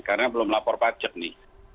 karena belum lapor pajak nih